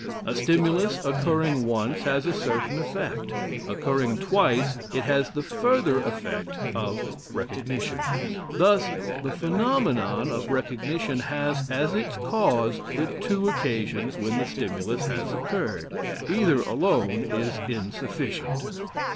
A stimulus occurring once has a certain effect; occurring twice, it has the further effect of recognition. Thus the phenomenon of recognition has as its cause the two occasions when the stimulus has occurred; either alone is insufficient.